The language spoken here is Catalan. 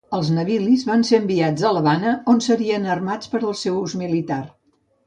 Els navilis van ser enviats a l'Havana, on serien armats per al seu ús militar.